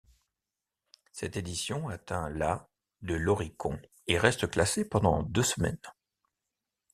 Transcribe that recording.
Cette édition atteint la de l'Oricon et reste classée pendant deux semaines.